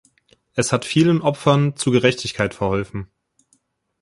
Es hat vielen Opfern zu Gerechtigkeit verholfen.